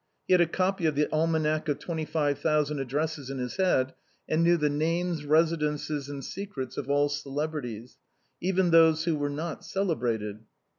He had a copy of the " Almanac of Twenty five Thousand Ad dresses " in his head, and knew the names, residences, and secrets of all celebrities, even those who were not celebrated.